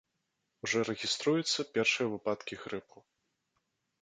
Ужо рэгіструюцца першыя выпадкі грыпу.